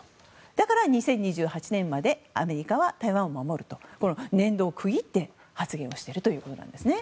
だから２０２８年までアメリカは台湾を守ると年度を区切って発言をしているということなんですね。